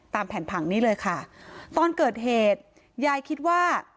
แผ่นผังนี้เลยค่ะตอนเกิดเหตุยายคิดว่า